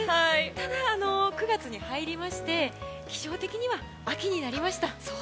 ただ、９月に入りまして気象的には秋になりました。